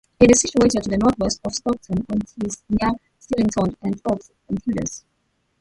It is situated to the north west of Stockton-on-Tees, near Stillington and Thorpe Thewles.